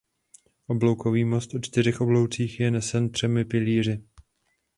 Obloukový most o čtyřech obloucích je nesen třemi pilíři.